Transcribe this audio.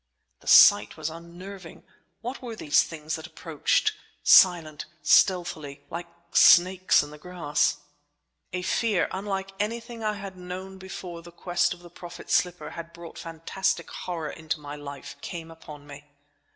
The sight was unnerving. What were these things that approached, silently, stealthily—like snakes in the grass? A fear, unlike anything I had known before the quest of the Prophet's slipper had brought fantastic horror into my life, came upon me.